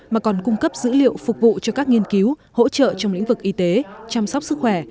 mà còn cung cấp dữ liệu phục vụ cho các nghiên cứu hỗ trợ trong lĩnh vực y tế chăm sóc sức khỏe